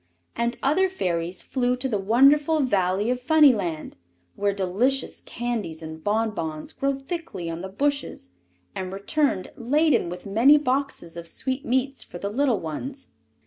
And other Fairies flew to the wonderful Valley of Phunnyland, where delicious candies and bonbons grow thickly on the bushes, and returned laden with many boxes of sweetmeats for the little ones.